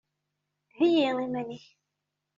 Heyyi iman-ik!